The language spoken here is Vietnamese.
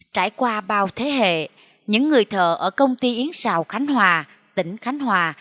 trải qua bao thế hệ những người thợ ở công ty yến xào khánh hòa tỉnh khánh hòa